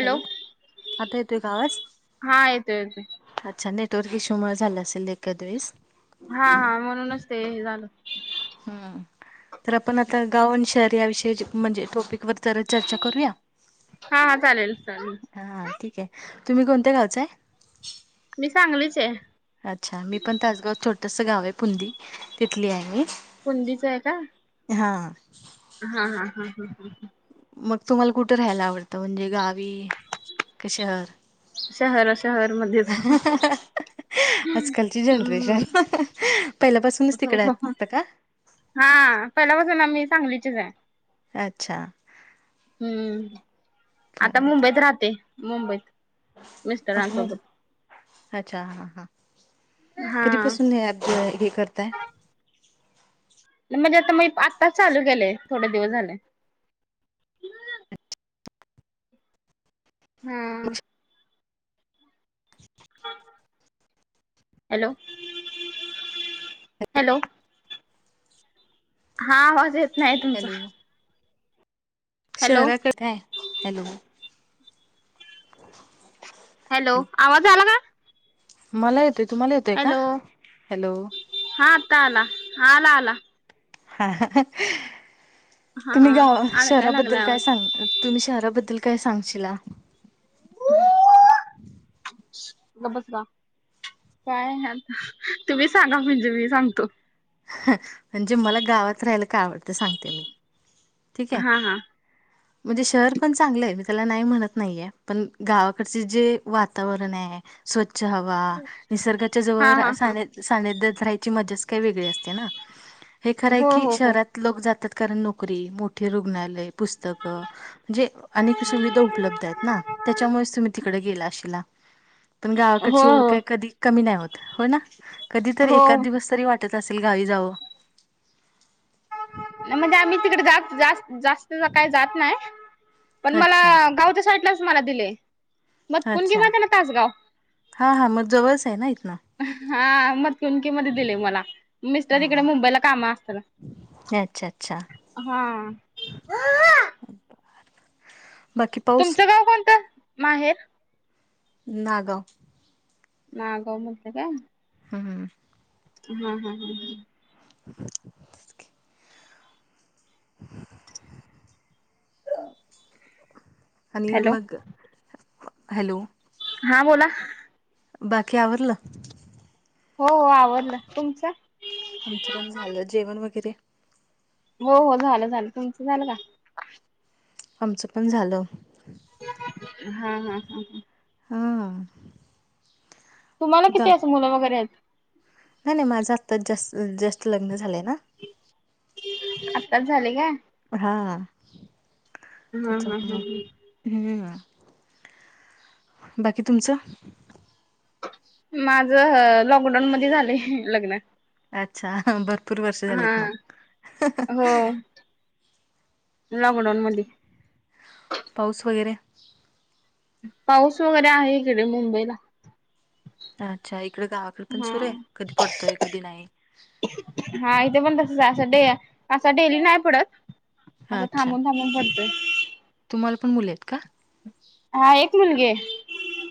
Hello! आता येतोय का आवाज? हा येतोय येतोय अच्छा नेटवर्क इश्यूमुळे झालं असेल एखाद वेळेस. हां हां म्हणूनच ते हे झालं हम्म. तर आपण आता गाव आणि शहर या विषयी म्हणजे टॉपिक वर जरा चर्चा करूया? हां हां चालेल चालेल. हां ठीक आहे, तुम्ही कोणत्या गावच आहे? मी सांगलीची आहे. अच्छा! मी पण तासगाव छोटस गाव आहे पुनदी तिथली आहे. पुनदी चे आहे का? हां. हां हां हां हां हां हां. मग तुम्हाला कुठे राहायला आवडतं म्हणजे गावी की शहर? शहर, शहर मध्येच. आजकालची हम्म जनरेशन पहिल्यापासूनच तिकडे राहत होता का? हां पहिल्यापासून आम्ही सांगलीचीच आहे. अच्छा हम्म आता मुंबईत राहते मुंबईत. अच्छा मग मिस्टरांसोबत अच्छा हां हां हा कधीपासून हे ॲप हे हे करताय म्हणजे आता मी आत्ताच चालू केलंय थोडे दिवस झाले. हम्म. हॅलो! हॅलो! हां आवाज येत नाहीये तुमचा. हॅलो हॅलो शहराकडे काय? हॅलो! [inaudible] हॅलो! आवाज आला का? मला येतोय तुम्हाला येतोय का? हॅलो! हां आत्ता आला, हां आला आला. हा तुम्ही हा गाव अडकाय लागला शहराबद्दल काय आवाज सांग तुम्ही शहराबद्दल काय सांगशीला? तु गप्प बस गं! काय आहे आता तुम्ही सांगा म्हणजे मी सांगतो. म्हणजे मला गावात राहायला का आवडते सांगते मी. ठीक आहे! हा हा [inaudible] म्हणजे शहर पण चांगलं आहे मी त्याला नाही म्हणत नाहीये पण गावाकडचे जे वातावरण आहे. स्वच्छ हवा. निसर्गाच्या हा जवळ हा हा साने सानिध्यात राहायची मजाच काही वेगळी असते. हे खर हो की हो हो शहरात लोक जातात कारण नोकरी, मोठी रुग्णालय पुस्तकं. जे अनेक सुविधा उपलब्ध आहेत ना त्याच्यामुळेच तुम्ही तिकडे गेला अशिला. पण गावाकडची हो ओढ हो कधी कमी नाही होत हो ना. कधी तरी हो एकाच दिवस तरी वाटत अस गावी जावं. म्हणजे आम्ही तिकडे जास् जास् जास् तस काय जात नाही. पण मला अच्छा. गावच्या साइटला मला दिले. मग कुंनगी अच्छा मध्ये ना तासगाव. हा हा मग जवळच आहे ना इथनं. हा मकुंकी मध्ये दिले मला. मिस्टर इकडे हा. मुंबईला काम असत. अचछा अच्छा! हा. [unintelligible] पाऊस तुमचं गाव कोणतं? माहेर. नागाव. नागाव म्हटलं काय? हा. हा हा हा हा. तेच की. आणि हॅलो मग. हॅलो. हा बोला. बाकी आवरल? हो हो आवरल. तुमचं? आमचं पण झालं. जेवण वगैरे? हो हो झालं झालं. तुमचं झालं का? आमचं पण झालं. हा हा हा. हा. तुम्हाला गा किती अस मुलं वगैरे आहेत? नाही नाही माझं आत्ता जस्ट जस्ट लग्न झालंय ना. आताच झाले काय? हा. हा हा हा त्याच्यामुळे. हा. हम्म, बाकी तुमचं? माझं लॉकडाऊन मध्ये झालंय लग्न. अच्छा! भरपूर वर्ष हा झालीत मग. हो लॉकडाऊन मध्ये. पाऊस वगैरे? पाऊस वगैरे आहे इकडे मुंबईला. अच्छा! इकडे गावाकडे पण हा सुरू आहे कधी पडतोय कधी नाही. हा इथे पण तसच असं डे असं डेली नाही पडत असं अच्छा थांबून थांबून पडतोय. तुम्हाला पण मुले आहेत का? हा एक मुलगीय.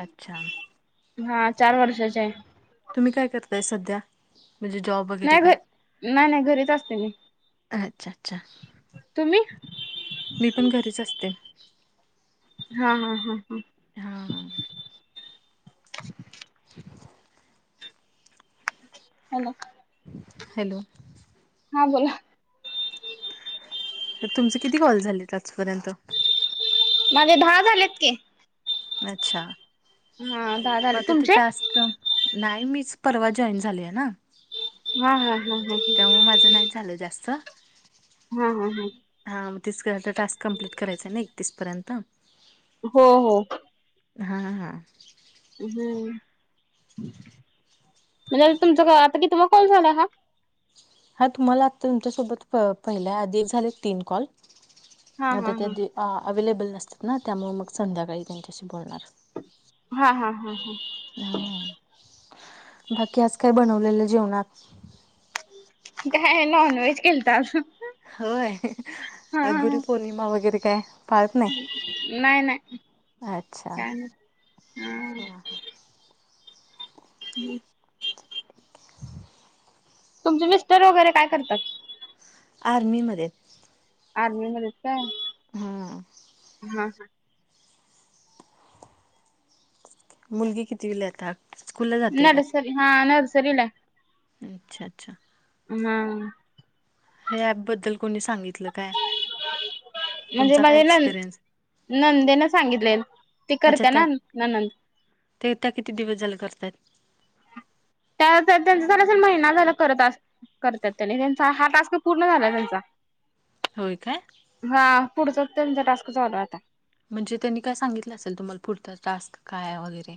अच्छा! हा चार वर्षाची हाय. तुम्ही काय करताय सध्या? म्हणजे जॉब. वगैरे नाही घ, काय नाही नाही घरीच असतोय मी. अच्छा! अच्छा! तुम्ही.? मी पण घरीच असते. हा हा हा हा. हा [inaudible] हॅलो! हॅलो! हा‌ बोला. मग तुमचे किती कॉल झालेत आजपर्यंत? माझे दहा झालेत की. अच्छा! हा दहा मग झाले आता ते तुमचे टास् क, नाही मीच परवा जॉईन झाले आहे ना. हा हा हा हा. त्यामुळं माझं नाही झालं जास्त. हा हा हा. हा मग तेच की आता काॅलचा टास्क कंप्लीट करायचां ना एकतीस पर्यंत. हो हो. हां हां. हम्म,, म्हणजे तुमचं आता कितवा कॉल झाला हा? हा तुम्हाला आता तुमच्यासोबत पहिलाय, आधी झालेत तीन कॉल. हा आता हा हा त्यातली अवे्लेबल नसतात ना, त्यामुळे मग संध्याकाळी त्यांच्याशी बोलणार. हा हा हा हा. हम्म, बाकी आज काय बनवलेलं जेवणात? काय नॉन व्हेज केलतं आज. होय,, हा अआज गुरी हा पौर्णिमा वगैरे काय.? पाळत नाही. नाही नाही अच्छा! काय नाही हा ह. [inaudible] तुमचे मिस्टर वगैरे काय करतात? आर्मीमध्ये यत. आर्मीमध्ये यत काय? हां. हा हा. मुलगी कितविला आहे आता? स्कूलला जाते काय नरसरी हा नरसरीलाय. अच्छा अच्छा. हां. हे ॲपबद्दल कोणी सांगितलं काय? म्हणजे तुमचा काय माझे नंद एक्सपिरियन्स नंदे ना सांगितलय, ते अच्छा करत्या ना त्या ननंद. ते त्या किती दिवस जालं करतात? त्यां त्यांच झालं असलं महिना झालां करतांत करतांत त्यांनी त्यांचा हात पूर्ण झालां त्यांचा होयं कायं हां पुढचां त्यांचा टास्कं चालूं आंता म्हणजे त्यांनी कायं सांगितलं असेल तुम्हांला पुढचां टॅक्स कायं आहे वगैरें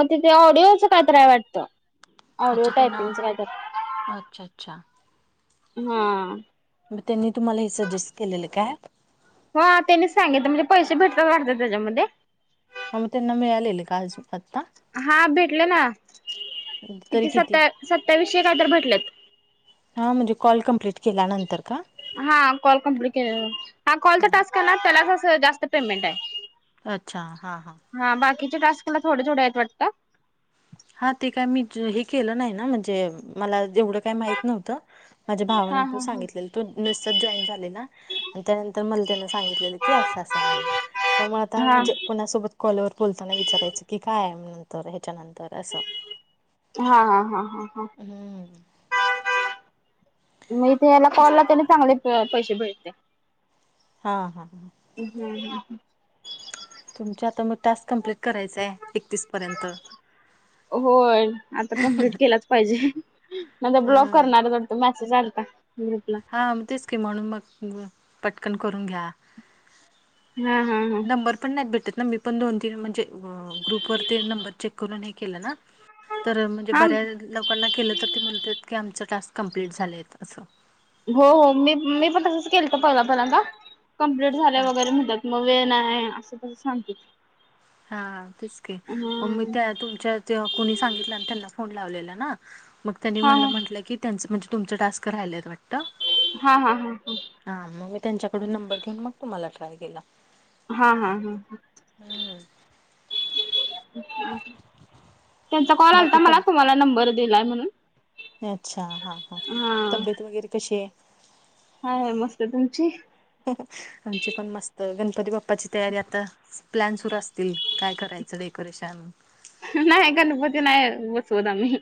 मंग ते ऑडिओ कांहींतरी आहे वाटतं ऑडिओ अच्छा ते नां टायपिंगच कायतर अच्छा अच्छा हां आं मंग त्यांनी तुम्हांला हे सजेस्ट केलेलं कायं हो त्यांनीच सांगित म्हणजे पैसे भेटतांत वाटते त्यांच्यामध्ये आं मंग ते त्यां नां मिळालेले कां आंज हां भेटलं नां किती सता सत्तावीसशे कायं तरं भेटलेत हां म्हणजे कॉल कमप्लीट केल्यानंतर कां हां कॉल कम्प्लीट केल्यानंतर हां कॉलचां हा. टास्कं करणारं त्यांलाचं जास्तं पेमेंट आहे अच्छा हां हां बाकीच्यां टास्कंला थोडं थोड्यां आहेतं वाटतं हां ते कायं मी हे केलं नाहीं नां म्हणजे मलां जेवढं कांहीं माहित नव्हतं माझ्यां हा भावालां पणं हा हा सांगितलेलं तो नुस्यातांस जॉईन झालेला आणि त्यांनंतर मलां त्यानं सांगितलेलं की असं असं आहे म्हणूंन त्यांमुळे आंता हा म्हणजे कोणांसोबतं कॉलवरं बोलंतानां विचारायचं की कायं नंतर ह्यांच्यानंतर असं हां हां हां हम्म मंग यां तेच कॉललां तरी चांगले पैसे भेटले हां हम्मं तुमच्यां आंता मगं टास्कं कंप्लीट करायचं आहे एकतीस पर्यंत होयं आंता कमप्लीट केलां चं पाहिजे नंतर ब्लॉक हा. करणारं चं मेसेज आलतां ग्रुपलां हां मंग तेचं की म्हणूंन मंग पटकंन करूंन घ्या हम्मं हम्मं नंबर पणं नाहींत भेटतं नां मी पणं दोन तीनं म्हणजे ग्रुप वरं ते नंबर चेक करूंन हे केलं नां तरं म्हणजे हा बऱ्यां लोकांना केलं तरं ते बोलतं की आमचं टास्कं कंप्लीट झालंय असं हो हो मी मी पणं तसंच केलं तरं पहिलं पल्यादां कम्प्लीट झाल्यां हा वगैरें म्हटलं मंग वेळं नाहीं असं तझं सांगते हां तेचं की मं मी हम्म त्यां तुमचं कोणी सांगित त्यांना फोन लांवलेना मं त्यांनी हा मलां म्हटलं की त्यांचं म्हणजे तुमचं टास्कं राहियलांत वाटतं हां हां हां मंग मी त्यांच्याकडूंन नंबर घेऊंन मगं तुम्हांला ट्राय केलां हां हां हां. त्यांचा कॉल आलंता बाकी मलां तब तुम्हांला नंबर दिलांय म्हणूंन. अच्छा हां हां तब्येत वगैरें कशी आहे? आहे आहे मस्तं तुमची? आमची पणं मस्तं गणपती बाप्पांची तयारी आंता. प्लॅन सुरूं असतील कायं करायचं डेकोरेशन. नाहीं गणपती नाहीं बसवंत आम्हीं.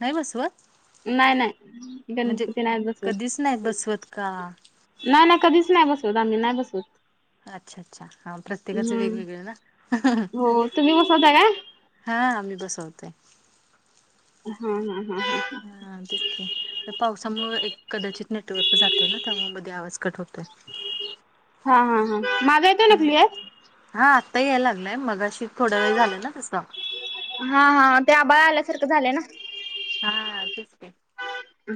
नाही बसवत? नाही नाही म्हणजे गणपती नाहीस कधीच नाही बसवत. का? नाही नाही कधीच नाही बसवत आम्ही नाही बसवत. अच्छा अच्छा हा, प्रत्येकाच हम्म वेगवेगळे ना. हो तुम्ही बसवता काय? हा, आम्ही बसवतेय. हम्म हम्म हम्म, हा, ठीके पावसामुळे एक कदाचित नेटवर्क जातय ना त्यामुळे मध्ये आवाज कट होतो. हा हा हा, माझा येतो ना हम्म. क्लिअर. हा, आत्ता येईला लागलाय मगाशी थोड्या वेळ झालं ना तसं. हा हा, ते आभाळ आल्यासारखं झालंय ना. हा हा तेच की,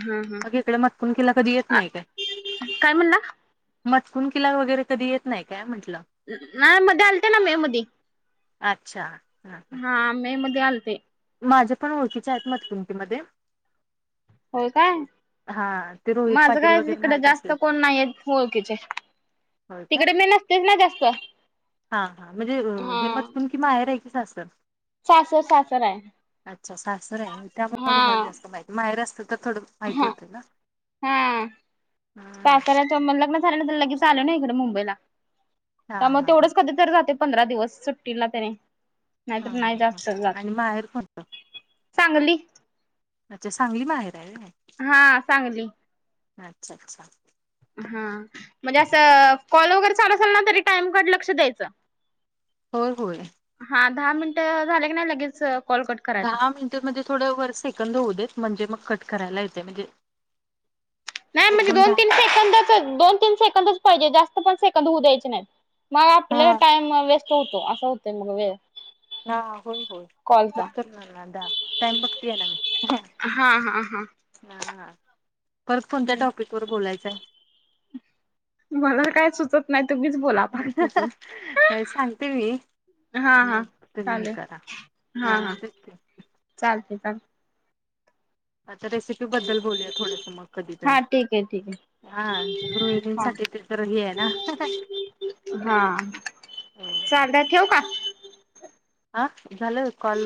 हा हा. अग [unintelligible] इकडे मातकण कधी नाही काय. काय म्हणला? मटकून किला वगैरे कधी येत नाही काय म्हटलं? नाही मध्ये आलते ना मे मध्ये. अच्छा हा, हा, मे मध्ये आलेथे. माझ्या पण ओळखीचे आहेत मध्ये [unintelligible] तुमती मध्ये. होय काय हा ते रोहित माझं पाटील काय वगैरे इकड माहित जास्त असेल कोण नाहीय ओळखीचे. होय काय तिकडे मी नसतेच ना जास्त हा, कि, माहेर आहे की, सासर. सासर सासर आहे अच्छा सासर आहे त्यामुळे हा तुम्हाला जास्त माहिती माहेर असत तर थोडं. माहिती हा होता ना. हा, हा पाखराचा मग लग्न झालं तर लगेच आलो ना इकडे मुंबईला. त्यामुळेग हा हा हा तेवढंच कधी तरी जाते पंधरा दिवस सुट्टी ना त्याने. हा नाहीतर नाही हा हा जास्त आणि माहेर कोणतं चांगली. अच्छा सांगली माहेर आहे वय. हा, सांगली. अच्छा अच्छा. हा, म्हणजे असं कॉल वगैरे चालू असल ना तरी टाइमकड लक्ष द्यायचं. होय होय. हा, दहा मिनट झाले की, नाही लगेच. कॉल कट करायचा. दहा मिनिटेमध्ये थोडं वर सेकंद होऊ देत म्हणजे मग कट करायला येते म्हणजे. नाही म्हणजे एकदम दोन दहा तीन सेकंदच दोन तीन सेकंदच पाहिजे जास्त पण सेकंद होऊ द्यायचे नाही. मग हा आपला टाइम वेस्ट होतो असं होत मग वेळ. हा हा, बोल बोल कॉलचा. कट करना आता टाइम बघते आहे मी. हा हा हा, हा हा, परत कोणत्या टॉपिक वर बोलायचंय? मला काय सुचत. नाही तुम्हीच बोला आता तिथून. नाय सांगते मी. हा हा मग तुम्ही चालेल करा हा तेच की, चालते चाल. आता रेसिपी बद्दल बोलूया थोडंसं मग कधी तर. हा ठीक आहे ठीक आहे. हा, हा गृहिणींसाठी त तरही आहे ना. चालते ठेऊ का. ह झालं कॉल